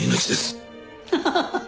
ハハハハ！